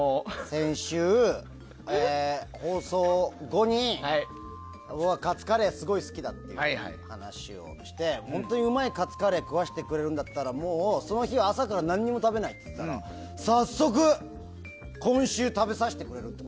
先週、放送後に僕がカツカレーすごい好きだっていう話をして本当にうまいカツカレーを食わせてくれるんだったらもうその日は朝から何も食べないって言っていたら早速、今週食べさせてくれるって。